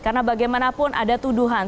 karena bagaimanapun ada tuduhan